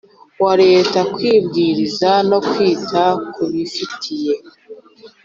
wa Leta kwibwiriza no kwita ku bifitiye